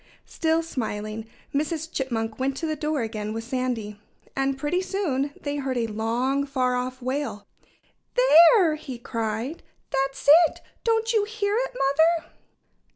Still smiling, Mrs. Chipmunk went to the door again with Sandy. And pretty soon they heard a long, far off wail. "There!" he cried. "That's it! Don't you hear it, Mother?"